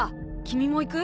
君も行く？